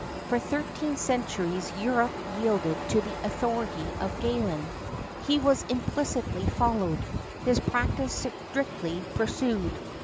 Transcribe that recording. For thirteen centuries Europe yielded to the authority of Galen. He was implicitly followed, his practice strictly pursued.